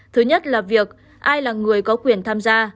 thứ nhất là việc ai là người có quyền tham gia